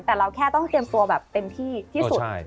แต่เราแค่ต้องเตรียมตัวแบบเต็มที่ที่สุด